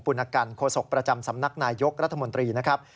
ณกันโฆษกประจำสำนักนายยกรัฐมนตรีนะครับ